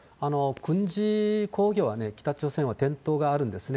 軍事工業は北朝鮮は伝統があるんですね。